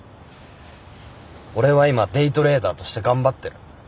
俺は今デイトレーダーとして頑張ってる。